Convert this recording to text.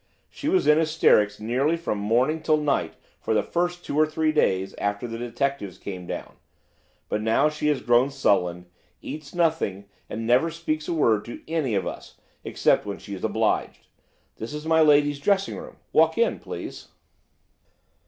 She was in hysterics nearly from morning till night for the first two or three days after the detectives came down, but now she has grown sullen, eats nothing and never speaks a word to any of us except when she is obliged. This is my lady's dressing room, walk in please."